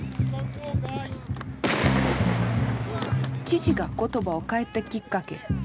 父が言葉を変えたきっかけ。